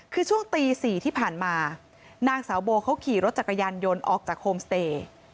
คือช่วงตี๔ที่ผ่านมานางสาวโบเขาขี่รถจักรยานยนต์ออกจากโฮมสเตย์